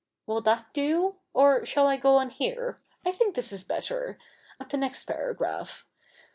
'''' Will that do? Or shall I go on here — I think this is better — at the next paragraph